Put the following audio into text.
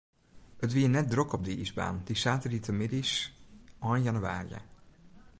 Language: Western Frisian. It wie net drok op de iisbaan, dy saterdeitemiddeis ein jannewaarje.